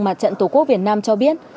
mặt trận tổ quốc việt nam cho biết